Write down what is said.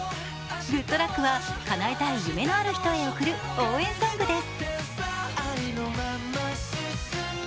「ＧｏｏｄＬｕｃｋ！」は、かなえたい夢のある人に贈る応援ソングです。